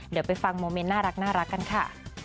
เดี๋ยวไปฟังโมเมนต์น่ารักกันค่ะ